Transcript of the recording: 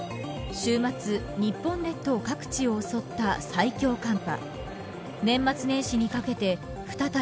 週末、日本列島各地を襲った最強寒波。